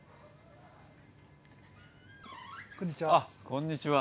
こんにちは。